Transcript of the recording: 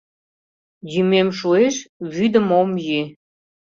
Йӱмем шуэш - вӱдым ом йӱ